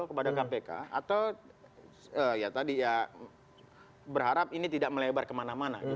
kepada kpk atau ya tadi ya berharap ini tidak melebar kemana mana